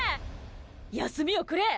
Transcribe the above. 休みをくれ！